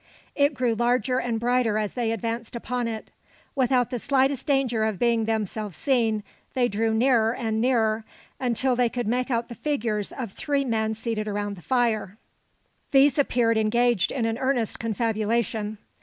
It grew larger and brighter as they advanced upon it. Without the slightest danger of being themselves seen, they drew nearer and nearer, until they could make out the figures of three men seated around the fire. These appeared engaged in an earnest confabulation.